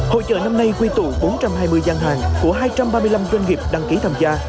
hội trợ năm nay quy tụ bốn trăm hai mươi gian hàng của hai trăm ba mươi năm doanh nghiệp đăng ký tham gia